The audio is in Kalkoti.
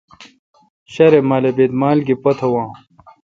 ݭارے مالبیت مال گی پت واں۔